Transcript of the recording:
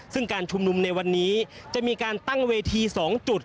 ซึ่งการชุมนุมในวันนี้จะมีการตั้งเวที๒จุด